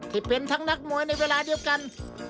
ที่เป็นทั้งนักมวยในเวลาเดียวกัน